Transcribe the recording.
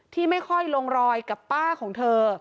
ที่ไม่ค่อยลงรอยกับป้าของเธอ